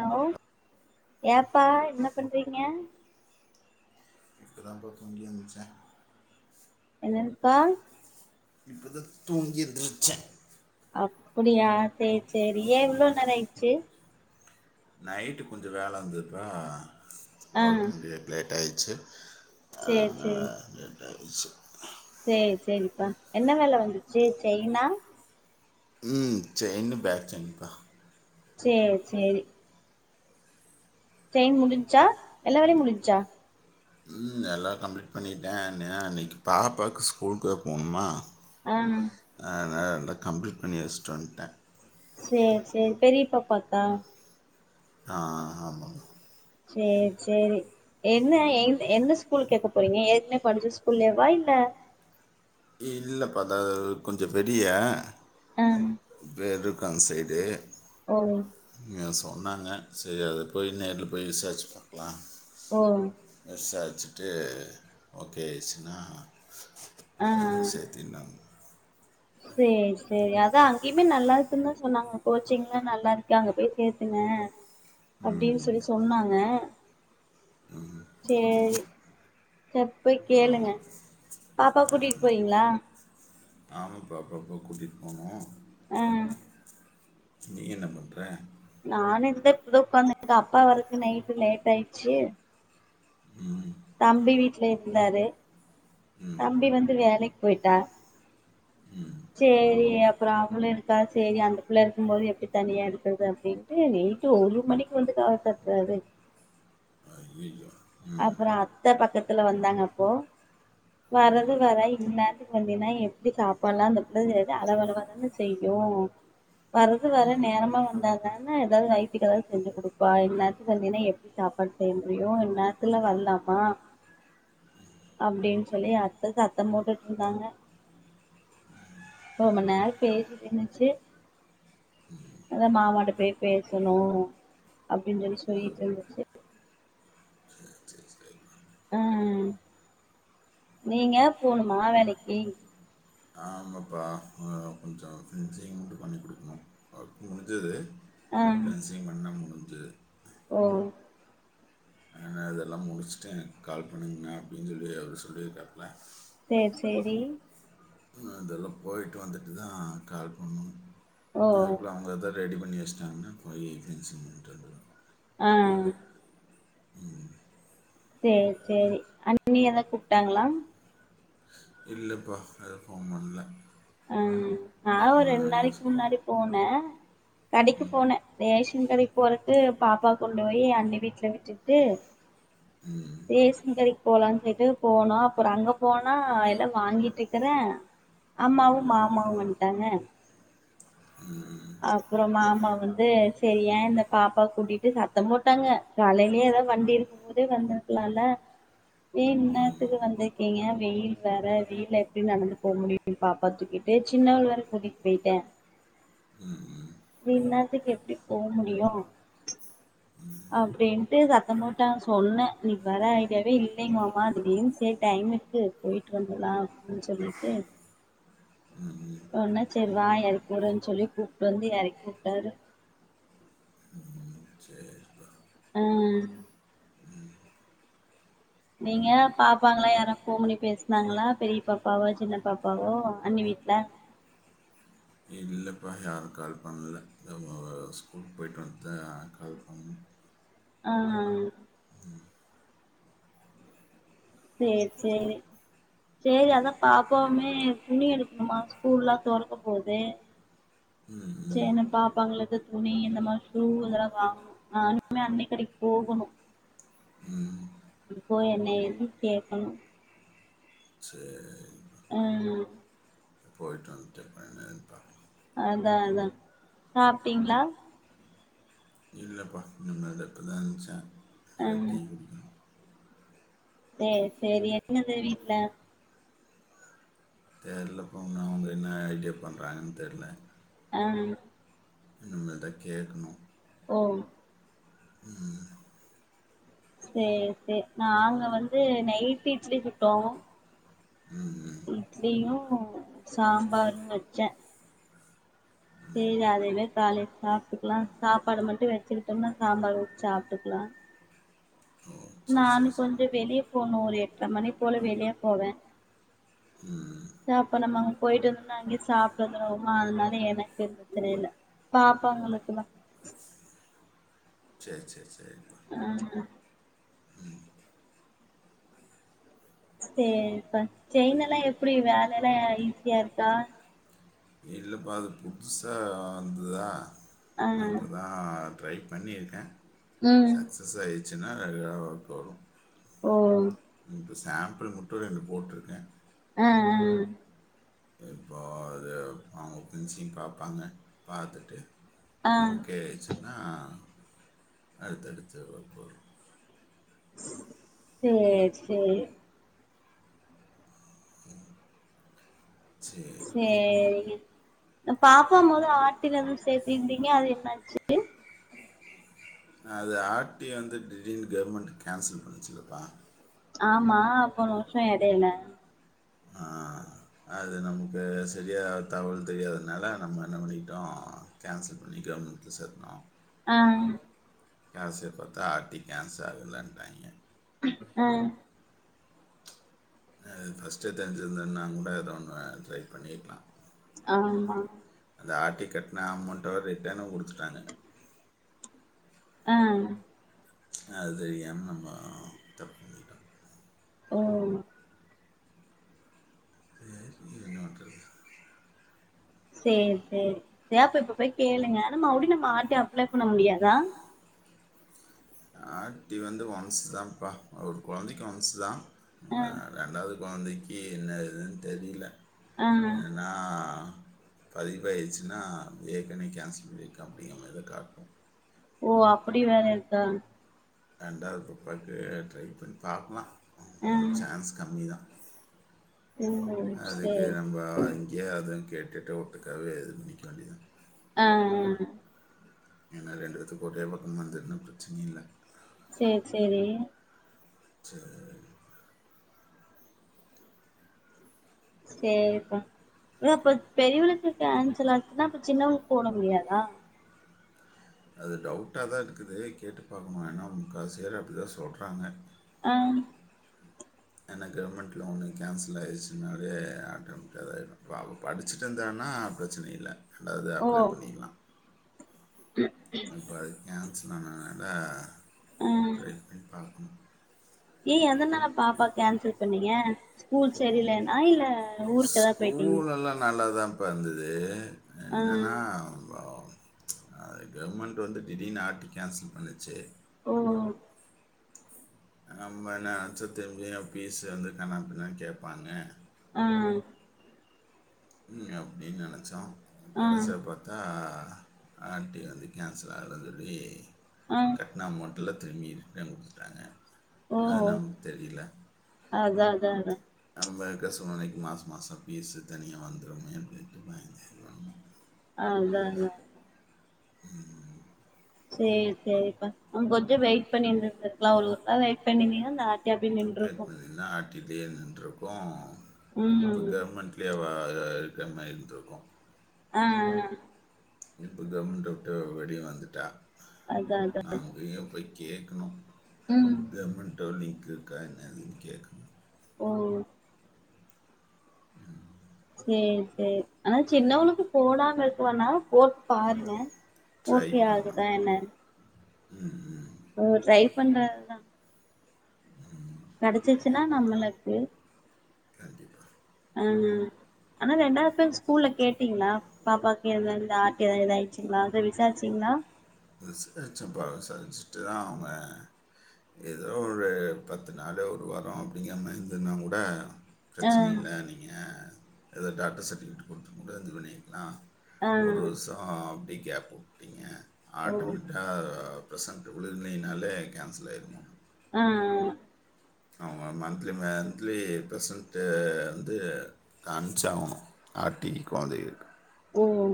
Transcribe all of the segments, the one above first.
Hello ஏப் பா என்ன பண்றீங்க இப்ப தாப்பா தூங்கி எந்ச்சே என்னதுப்பா இப்பதா தூங்கி எந்த்ருச்சே அப்புடியா செர் செரி ஏ இவ்ளோ நேரோ ஆய்ச்சு நைட்டு கொஞ்சோ வேல இருந்துப்பா ஆ வெக் [unintelligible] லேட் ஆய் ச்சு சேரி சேரி [unintelligible] சேரி சேரிப்பா என்ன வேல வந்துச்சு செயினா ம் செயினு பேக்ச்செயின்ப்பா சேரி சேரி செயின் முடுஞ்சா எல்லா வேலயு முடுஞ்சா ம் எல்லா கம்ப்ளீட் பண்ணிட்டே [unintelligible] இன்னைக்கு பாப்பாக்கு ஸ்கூல்க்கு வேற போணுமா ஆ அத்னா எல்லா கம்ப்ளீட் பண்ணி வெஷ்ட்டு வந்ட்டே சேர் சேரி பெரி பாப்பாக்கா அ ஆமா சேரி சேரி என்ன எந் எந்த ஸ்கூல் கேக்க போறீங்க ஏற்க்னே படிச்ச ஸ்கூல்லைவா இல்ல இல்லப்பா [unintelligible] கொஞ்சோ வெளிய ஆ [unintelligible] அன் சைடு ஓ சொன்னாங்க செரி அத போய் நேர்ல போய் விசாரிச்சு பாக்கலா ஓ வெச்சுட்டு ஓகே ஆயிருச்சுனா ஆ ஆ சேத்தினு சேரி சேரி அதா அங்கேயுமே நல்லாருக்குன்னு தா சொன்னாங்க கோச்சிங்லா நல்லா இருக்கு அங்க போய் சேத்துங்க அப்படின்னு சொல்லி சொன்னாங்க சேரி சர்ப்போய் கேளுங்க பாப்பா கூட்டிகிட்டு போவீங்களா ஆமா பாப்பாவ கூட்டிட்டு போவே அஹ் நீ என்ன பண்ற நானு இந்தா இப்பதா உட்காந்துருக்க அப்பா வரக்கு நைட் லேட் ஆயிடுச்சு தம்பி வீட்ல இருந்தாரு தம்பி வந்து வேலைக்கு போய்ட்டா சேரி அப்புறம் அவளு இருக்கா சேரி அந்த பிள்ள இருக்கும் போது எப்படி தனியா இருக்குறது அப்படின்டு நைட்டு ஒரு மணிக்கு வந்து கதவ தட்றாரு ஐயையோ அப்புற அத்த பக்கத்துல வந்தாங்கப்போ வர்றது வர இந்நேரத்துக்கு வந்தீன்னா எப்படி சாப்பாட்லா அந்த புள்ள அளவ அளவ தானே செய்யு வர்றது வர நேரமா வந்தா தான ஏதாவது வைத்துக்கு எதாது செஞ்சு குடுப்பா இன்நேரத்துக்கு வந்தின்னா எப்படி சாப்பாடு செய்ய முடியு என்ன அத்துல வரலாமா அப்படின்னு சொல்லி அத்தை சத்தம் போட்டுட்டு இருந்தாங்க ரொம்ப நேரம் பேசிட்டு இருந்துச்சு அதான் மாமாட்ட போய் பேசணு அப்படின்னு சொல்லி சொல்லிட்டுந்துச்சு சரி சரி உம் நீங்க போணுமா வேலைக்கு ஆமாப்பா கொஞ்ச ஃபினிஷிங் மட்டு பண்ணி குடுக்கணு ஒர்க் முடிஞ்சது ஆ ஃபினிசிங் பண்ணா முடி அந்து ஓ இதெல்லாம் முடிச்சுட்டு எனக்கு கால் பண்ணுங்கண்ணா அப்படின்னு சொல்லி அவரு சொல்லியிருக்காப்புல செரி செரி இதெல்லாம் போய்ட்டு வந்துட்டு தான் கால் பண்ணும் ஓ அதுபோல அவங்க இதர் ரெடி பண்ணி வச்சிட்டாங்கன்னா போயி ஃபினிசிங் பண்ட்டு வந்துருவ ஆஹ் உம் விட்டாங்களா இல்லப்பா அது போக முடுல ஆ நான் ஒரு ரெண்டு நாளைக்கு முன்னாடி போனேன் கடைக்கு போனேன் ரேஷன் கடைக்கு போறக்கு பாப்பா கொண்டு போயி அண்ணி வீட்ல விட்டு ட்டு ரேசன்கடைக்கு போலாம் ட்டு போணோம் அப்புறம் அங்க போனா எல்லாம் வாங்கிட்டு இருக்கறேன் அம்மாவும் மாமாவும் வந்துட்டாங்க [unintelligible] அப்புறம் மாமா வந்து சரியேன் இந்த பாப்பா கூட்டிட்டு சத்தம் போட்டாங்க காலையிலயே ஏதோ வண்டி இருக்கும் போதே வந்திருக்கலாமல்ல ஏன் ம், ம், இந்நேரத்துக்கு வந்த இல்லைங்க வெயில் வேற வெயில்ல எப்படி நடந்து போக முடியும் பாப்பாவ தூக்கிட்டு சின்னவள வேற கூட்டிகிட்டு போயிட்டேன் ம், ம், நீ இந்நேரத்துக்கு எப்படி போக முடியும் அப்படின்ட்டு சத்தம்போட்டாங் சொன்னேன் இன்னைக்கு வர ஐடியாவே இல்லைங்கமாமா திடீர்னு சேரி டைம் இருக்கு போயிட்டு வந்தரலாம் அப்படின்னு சொல்லிட்டு ம். சொன்ன சரி வா இறக்கி விட்றேனு சொல்லி கூப்பிட்டு வந்து இறக்கிட்டாரு சேரி ம் நீங்க பாப்பாங்கல்லாம் யாரா போன் பண்ணி பேசுனாங்களா பெரிய பாப்பாவோ சின்ன பாப்பாவோ அண்ணி வீட்டுல இல்லைப்பா யாரும் கால் பண்ணல ஸ்கூலுக்கு போயி்ட்டு வந்து தா கால் பண்ணணும் ஆ சேரி சேரி சேரி அதான் பாப்பாவுமே துணி எடுக்கணுமா ஸ்கூல்லெல்லாம் தொறக்க போது ம் ம் சரின்னு பாப்பாங்களுக்கு துணி இந்த மாதிரி ஷூ இதெல்லாம் வாங்கணும் நானுமே அண்ணெங் கடைக்கு போகணும் ம் போய் என்ன ஏது கேக்கணும் சரி ம் போயிட்டு வந்துட்டு பண்ணதுப்பா அதான் அதான் சாப்பிட்டீங்களா இல்லேப்பா இனிமேல் தா இப்ப தா எந்திருச்சேன் ஆ [unintelligible] சேரி சேரி எங்கது வீட்டுல தெரியலப்பா அவங்க என்ன ஐடியா பண்றாங்கன்னு தெரியல ஆ இனிமே தா கேட்கணும் ஓ உம் [unintelligible] சேரி சேரி நாங்க வந்து நைட்டு் இட்லி சுட்டோம் ம் இட்லியும் சாம்பாரும் வச்சேன் சரி அதையவே காலைல சாப்பிட்டுக்கலாம் சாப்பாடு மட்டும் வச்சுக்கிட்டோம்னா சாம்பார் ஊத்தி சாப்பிட்டுக்கலாம் ஓ சரி சரி நானும் சரி கொஞ்சம் வெளிய போணும் ஒரு எட்டற மணி போல வெளியே போவேன் ம் சாப்ப நம்ம அங்க போயிட்டு வந்தோம்னா அங்கயே சாப்பிட்டு வந்தறமா அதனால எனக்கு தெரியல பாபப்பாவங்களுக்குதான் சேரி சேரி சேரி ஆ சேரிப்பா செயின் எல்லாம் எப்படி வேலை எல்லாம் ஈஸியா இருக்கா இல்லேப்பா அது புதுசா வந்ததா ஆ இப்பதான் ட்ரை பண்ணியிருக்கேன் ம் சக்ஸஸ் ஆயி வரும் [unintelligible] ஓ இப்போ சாம்பிள் மட்டு ரெண்டு போட்ருக்கே ஆ ஆ இப்போ அது அவங்க பினிசிங் பாப்பாங்க பாத்துட்டு ஆ னா அடுத்தடுத்து ஒர்க் வரு சேரி சேரி சரி. சேரிங்க பாப்பா மொத ஆட்டில எது சேத்திருந்தீங்க அது என்ன ஆச்சி அது ஆர்டிய வந்து திடீர்னு கவர்மெண்ட் கேன்சல் பண்ணுச்சில்லப்பா ஆமா போன வருஷோ எடேல ஆ அது நமக்கு சரியா தகவல் தெரியாதனால நம்ம என்ன பண்ணிகிட்டோ கேன்சல் பண்ணி கவர்மெண்ட்ல சேத்துட்டோ ஆ கடசியா பாத்தா ஆர்ட்டிக்கேன்சல் இல்லன்டாங்க ம் அது ஃபர்ஸ்ட்டே தெரிஞ்சிருந்தன்னா கூட ஏதோ ஒன்னு ட்ரை பண்ணிர்க்கலா ஆமா அந்த ஆர்டிக் கட்ண அமௌண்ட்ட வேற ரிட்டர்னு குடுத்துட்டாங்க ஆ அது தெரியாம நம்ம தப்பு பண்ணிட்டோ ம் சேரி இனி என்ன பண்றது சேரி சேரி சேரி அப்ப இப்ப போய் கேளுங்க ஆனா மறுடியு நம்ம ஆர்ட்டி அப்ளை பண்ண முடியாதா ஆர்ட்டி வந்து ஒன்சு தாப்பா ஒரு கொழந்தைக்கு ஒன்சுதா ஆ நம்ம ரெண்டாவது கொழந்தைக்கி என்ன ஏதுன்னு தெரில ஆ பதிவு ஆயிட்ச்சின்னா ஏற்கனவே கேன்சல் பண்ணிருக்கோ அப்டிங்கிற மாரிதா காட்டு ஓ அப்படி வேற இருக்கா ரெண்டாவது பாப்பாக்கு ட்ரை பண்ணி பாக்கலா ஆ ம் சான்ஸ் கம்மி தா ஓ அதுக்கு சேரி நம்ப இங்கயே அதுன்னு கேட்டுட்டு ஒட்டுக்காவே இது பண்ணிக்க வேண்டிதா ஆ ஆ ஏன்னா ரெண்டு பேத்துக்கு ஒரேபக்கமா வந்ததுன்னா பிரச்சனையே இல்ல சேர் சேரி சேரிமா சேரிப்பா ஏ அப்ப பெரியவளுக்கு கேன்சல் ஆச்சின்னா அப்ப சின்னவளுக்கு போட முடியாதா அது டவுட்டாதா இருக்குது கேட்டு பாக்கணு ஏன்னா முக்காவாசி பேர் அப்டிதா சொல்றாங்க ஆ ஏன்னா கவர்மெண்ட் லோனு கேன்சல் ஆயிருச்சின்னாலே ஆட்டோமெட்டிக்கா இதா ஆயிடு இப்ப அவ படிச்சிட்டு இருந்தான்னா பிரச்சனை இல்ல ரெண்டாவது அப்ளே ஓ பண்ணிர்லா இப்ப அது கேன் நா நல்லா ட்ரை பண்ணி பாக்கணு ஏய் எதனால பாப்பா கேன்சல் பண்ணீங்க ஸ்கூல் சரியலன இல்ல ஊருக்குதா போயிட்டீங்க வந்தது ஆ என்னன்னா அது கவர்மெண்ட் வந்து திடீனு ஆர்டி கேன்சல் பண்ணுச்சு ஓ ஆமா என்ன அ்சத்தஞ்ச பீஸு வந்து கண்ணப்பின்ன கேட்பாங்க உஹம் உம் அப்படின்னு நினைச்சா ஆ கடைசிய பார்த்தா ஆர்டி வந்து கேன்சல் ஆகலனு சொல்லி ஆ கட்டன மோ எல்ல திரும்பி இருக்கிற கொடுத்துட்டாங்க ஓ அது நமக்கு தெரியல அதா அதா அதா நொம்ப கசுவனைக்கு மாதம் மாதம் பீஸு தனியாக வந்துடுமே அப்பட்டு பயந்துடுவங்க அதான் தான் [unintelligible] சரி சரிப்பா நங்க கொஞ்சோ வெயிட் பண்ணிருந்தலா வெயிட் பண்ணிருங்க அ கபடி நின்றக்கு தே நின்ருக்கு புத ம் மட்டல அவா க்கமந்திருக்கு ஆஹ் இப்ப கவர்மெண்ட்ட விட்டு வெலிய வந்துட்டா அதா அதா நா அங்கயே போய் கேகணு ம் பேமட்டோலி இருக்கா என்னதுன் கேட்கண ஓ உஹம் சேரி சேரி ஆனா சின்னவளுக்கு போடாம இருக்க வேனா போட்டு பாருங்க ஓகே ஆகுதா என்ன உம் உம் ட்ரை பண்றதுதா உஹம் கிடைச்சிச்சுன்னா நம்ப லக்கு அ ஹ ஆனா ரெண்டாவது பேரு ஸ்கூல்ல கேட்டீங்களா பாப்பாக்கு ஆதாவது எதடுச்சுங்களா அத விசாரிச்சிங்களா ரெஸ் சம்ப சரிச்சிட்டு தா அவ்ங்க ஏதோ ஒரு பத்து நாள் ஒரு வாரோ அப்டிங்கிறாம இருந்துன்னா கூட ஆ பிரச்சனை இல்லை நீங்கள் ஏதது டாக்டர் சர்டுவிகேட் கொத்துட்டு கூா வந்து பண்ணிருக்கலாம ஆ ஒரு வர்ஷோ ப்டி கேப் விட்டீங்க ஓ ஆட்டு மிட்டா ப்சென்ட் வில்னாலே கேன்சல் ஆகிரு மா ஆஹ் அவங்க மந்திலி மன்த்லி பெர்சன்ட் வந்து அம்ஞ்சா ஆகணு ஆர்ட இ குழந்தைக்கு ஓ ஓ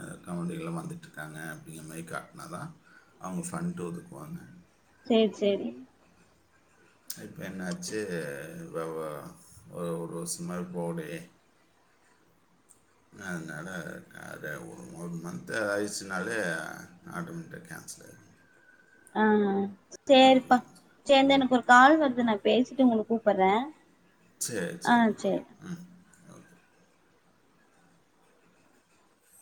அ காமென்டி எல்லா வந்துட்டுருக்காங்க அப்டிங்க மெ காட்டினா தான் அவங்க ஃபன்ட்டு ஒதுக்குவாங்க சேரி சேரிங் இப்போ என்னாச்சு ஒ ஒ ஒரு வருஷமே போலயே அதனால அத அத ஒரு ஒரு மந்த் எதாது ஆயிடுச்சுனாலே ஆட்டோமேட்டிக கேன்சல் ஆயிடு ஆஹ் சேரிப்பா சேர்ந்த எனக்கு ஒரு கால் வருது நா பேசிட்டு உங்களுக்கு கூப்பறே சேரி சேரி உம்